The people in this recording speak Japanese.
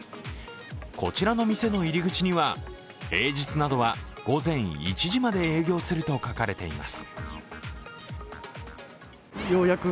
こちらの店の入り口には、平日などは午前１時まで営業すると書かれています。